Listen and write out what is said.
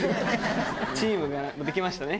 チームが出来ましたね。